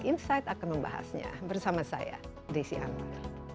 insight akan membahasnya bersama saya desi anwar